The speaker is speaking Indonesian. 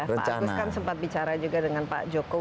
pak agus kan sempat bicara juga dengan pak jokowi